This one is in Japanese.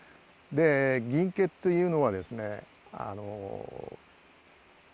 銀化というのはですね。